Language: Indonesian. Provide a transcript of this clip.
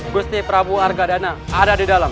gusti prabu argadana ada di dalam